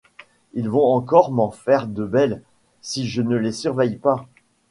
Ils vont encore m’en faire de belles, si je ne les surveille pas.